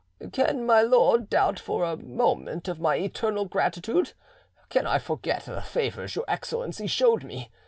"Can my lord doubt for a moment of my eternal gratitude? Can I forget the favours your Excellency showed me?